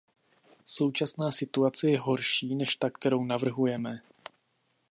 Současná situace je horší než ta, kterou navrhujeme.